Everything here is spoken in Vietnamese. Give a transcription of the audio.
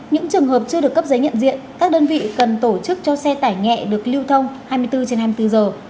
những trường hợp chưa được cấp giấy nhận diện các đơn vị cần tổ chức cho xe tải nhẹ được lưu thông hai mươi bốn trên hai mươi bốn giờ